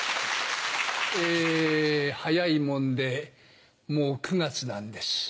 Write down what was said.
早いもんでもう９月なんです。